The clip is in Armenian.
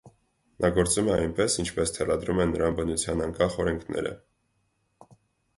նա գործում է այնպես, ինչպես թելադրում են նրան բնության անկախ օրենքները: